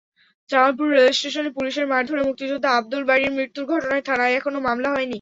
জামালপুর রেলস্টেশনে পুলিশের মারধরে মুক্তিযোদ্ধা আবদুল বারীর মৃত্যুর ঘটনায় থানায় এখনো মামলা হয়নি।